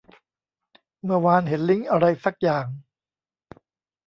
เมื่อวานเห็นลิงก์อะไรซักอย่าง